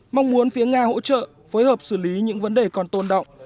mong muốn phía nga hỗ trợ phối hợp xử lý những vấn đề còn tôn động